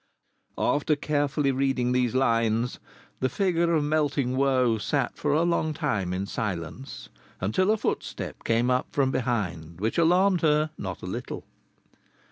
After carefully reading these lines the figure of melting woe sat for a long time in silence until a footstep came up from behind, which alarmed her not a little.